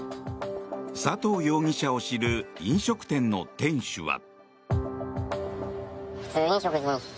佐藤容疑者を知る飲食店の店主は。